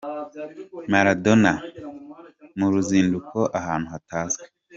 Maradona mu ruzinduko ahantu hatazwi !.